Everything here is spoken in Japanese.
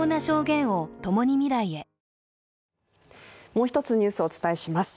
もう一つニュースをお伝えします。